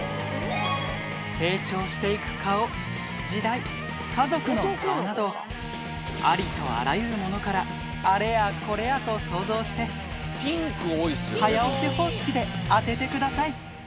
成長していく顔、時代、家族の顔など、ありとあらゆるものからあれやこれやと想像して、早押し方式で当ててください。